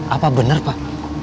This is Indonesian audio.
apa bener pak